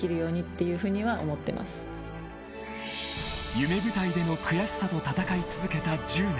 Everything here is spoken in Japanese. ［夢舞台での悔しさと戦い続けた１０年］